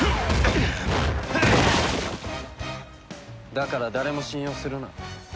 だから誰も信用するな。